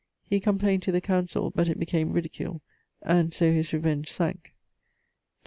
He complained to the councill, but it became ridicule, and so his revenge sank. Dr.